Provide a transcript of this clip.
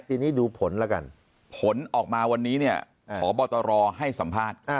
ทีนี้ดูผลแล้วกันผลออกมาวันนี้เนี่ยพบตรให้สัมภาษณ์